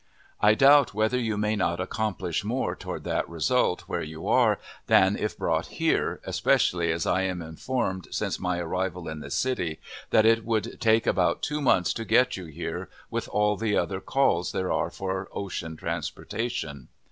I doubt whether you may not accomplish more toward that result where you are than if brought here, especially as I am informed, since my arrival in the city, that it would take about two months to get you here with all the other calls there are for ocean transportation.